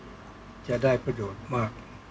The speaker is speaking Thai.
ก็ต้องทำอย่างที่บอกว่าช่องคุณวิชากำลังทำอยู่นั่นนะครับ